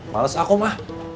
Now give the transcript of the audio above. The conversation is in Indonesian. males ah kum ah